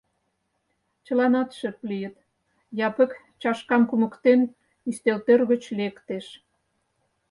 Чыланат шып лийыт, Япык, чашкам кумыктен, ӱстелтӧр гыч лектеш.